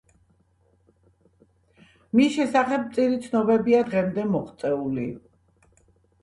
მის შესახებ მწირი ცნობებია დღემდე მოღწეული.